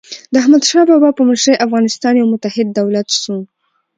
د احمدشاه بابا په مشرۍ افغانستان یو متحد دولت سو.